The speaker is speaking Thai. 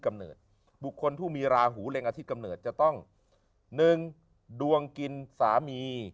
กำเนิดบุคคลผู้มีราหูเร็งอาทิตย์กำเนิดจะต้องหนึ่งดวงกินสามี